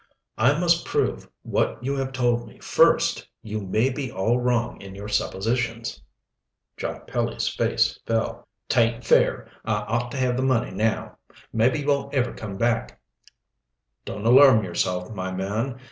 "I must prove what you have told me first You may be all wrong in your suppositions." Jock Pelly's face fell. "'Taint fair I ought to have the money now. Maybe you won't ever come back." "Don't alarm yourself, my man.